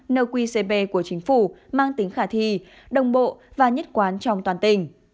nqcp của chính phủ mang tính khả thi đồng bộ và nhất quán trong toàn tỉnh